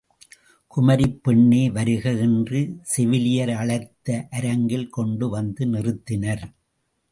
குமரிப் பெண்ணே வருக என்று செவிலியர் அழைத்து அரங்கில் கொண்டு வந்து நிறுத்தினர்.